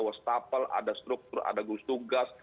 wastafel ada struktur ada gugus tugas